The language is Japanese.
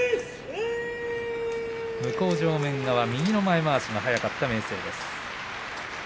向正面側、右のまわしが早かった明生。